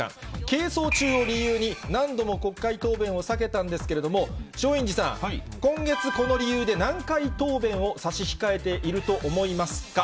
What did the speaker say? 係争中を理由に、何度も国会答弁を避けたんですけれども、松陰寺さん、今月、この理由で何回答弁を差し控えていると思いますか？